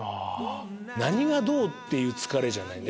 何がどうっていう疲れじゃない。